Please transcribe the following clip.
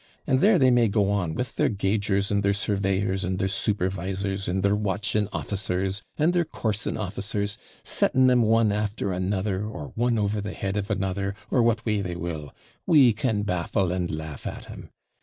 And there they may go on, with their gaugers, and their surveyors, and their supervisors, and their WATCHING OFFICERS, and their coursing officers, setting 'em one after another, or one over the head of another, or what way they will we can baffle and laugh at 'em.